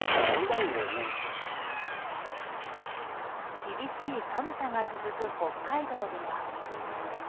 厳しい寒さが続く北海道では。